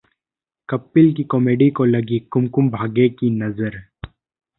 कपिल की कॉमेडी को लगी 'कुमकुम भाग्य' की नजर...